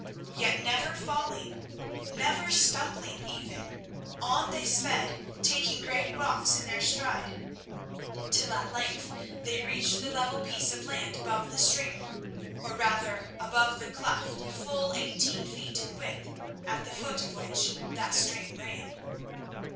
Yet never falling, never stumbling even, on they sped, taking great rocks in their stride, till at length they reached the level piece of land above the stream, or rather above the cleft full eighteen feet in width at the foot of which that stream ran.